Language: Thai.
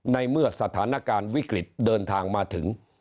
ในเมื่อสถานการณ์วิกฤตเดินทางมาถึง